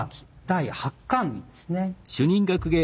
第８巻ですね。